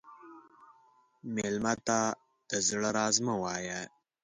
مېلمه ته د زړه راز مه وایه.